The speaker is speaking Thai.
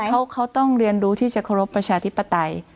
เขาต้องเรียนรู้ที่จะเคารพประชาธิปไตย